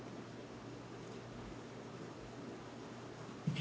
え。